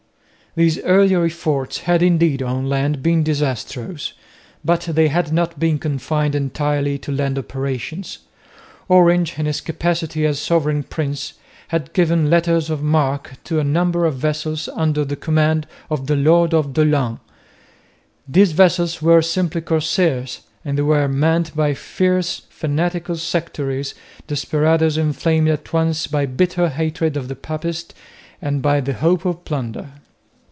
These earlier efforts had indeed, on land, been disastrous, but they had not been confined entirely to land operations. Orange, in his capacity as a sovereign prince, had given letters of marque to a number of vessels under the command of the lord of Dolhain. These vessels were simply corsairs and they were manned by fierce fanatical sectaries, desperadoes inflamed at once by bitter hatred of the papists and by the hope of plunder.